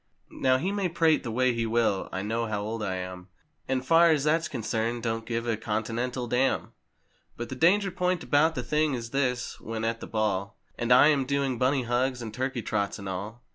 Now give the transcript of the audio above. Now he may prate the way he will, I know how old I am, And far as that's concerned don't give a Continental dam. But the danger point about the thing is this: when at the ball And I am doing "Bunny hugs" and "Turkey trots" and all.